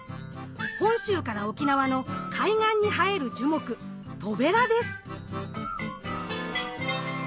本州から沖縄の海岸に生える樹木トベラです。